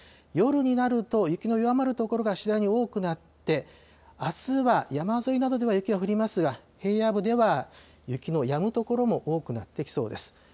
夜になると、雪の弱まる所が次第に多くなって、あすは山沿いなどでは雪が降りますが、平野部では雪のやむ所も多くなってきそうです。